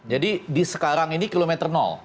jadi di sekarang ini kilometer